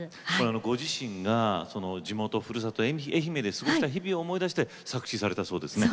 ご自身が地元ふるさと愛媛で過ごした日々を思い出して作詞されたそうですね。